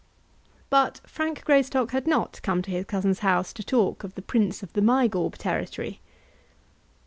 But Frank Greystock had not come to his cousin's house to talk of the Prince of the Mygawb territory.